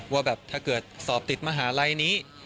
ว่าแบบถ้าเกิดสอบติดมหาลัยนี้